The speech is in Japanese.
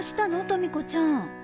とみ子ちゃん。